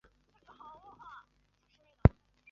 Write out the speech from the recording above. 回京任谒者。